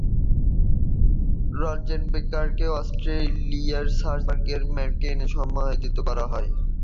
রৎজেনবের্গারকে অস্ট্রিয়ার সালজবার্গের ম্যাক্সগ্ল্যানে সমাহিত করা হয়।